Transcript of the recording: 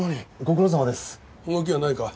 動きはないか？